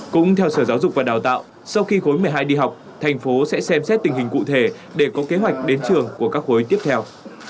cũng theo sở giáo dục và đào tạo sau khi khối một mươi hai đi học thành phố sẽ xem xét tình hình cụ thể để có kế hoạch đến trường của các khối tiếp theo